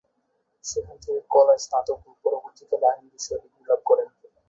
সেখান থেকে কলায় স্নাতক ও পরবর্তীকালে আইন বিষয়ে ডিগ্রী লাভ করেন।